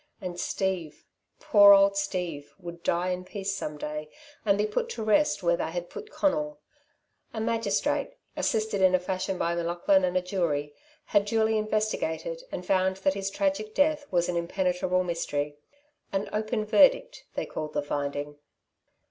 And Steve, poor old Steve, would die in peace some day and be put to rest where they had put Conal. A magistrate assisted in a fashion by M'Laughlin and a jury had duly investigated and found that his tragic death was an impenetrable mystery. An "open verdict," they called the finding.